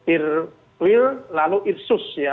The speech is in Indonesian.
irwil lalu irsus